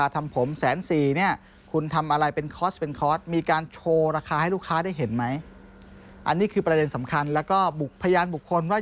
ทางร้านมีการติดราคาโชว์ไว้ไหมว่า